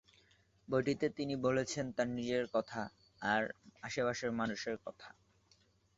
বইটিতে তিনি বলেছেন তার নিজের কথা, আর আশেপাশের মানুষের কথা।